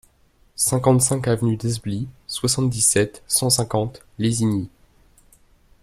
cinquante-cinq avenue d'Esbly, soixante-dix-sept, cent cinquante, Lésigny